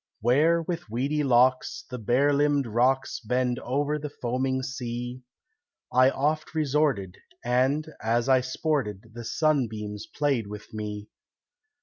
Where, with weedy locks, the bare limbed rocks Bend over the foaming sea, I oft resorted, and, as I sported, The sunbeams played with me.